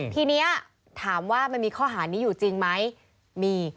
ทีนี้ถามว่ามันมีข้อหานี้อยู่จริงไหมมี